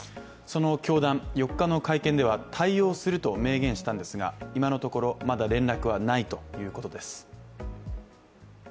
その教団、４日の会見では対応すると明言したんですが今のところ、まだ連絡はないということです。